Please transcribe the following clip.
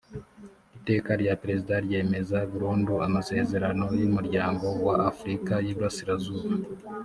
iteka rya perezida ryemeza burundu amasezerano y umuryango wa afurika y iburasirazuba